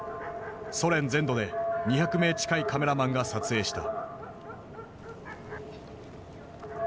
ソ連全土で２００名近いカメラマンが撮影した。